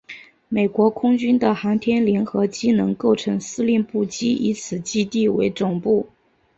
美国空军的航天联合机能构成司令部即以此基地为总部。